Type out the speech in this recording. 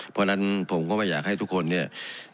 เพราะฉะนั้นผมก็ไม่อยากให้ทุกคนเนี่ย